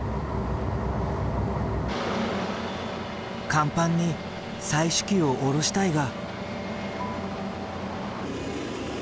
甲板に採取機を下ろしたいが。